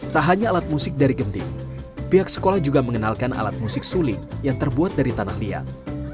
tak hanya alat musik dari genting pihak sekolah juga mengenalkan alat musik suli yang terbuat dari tanah liat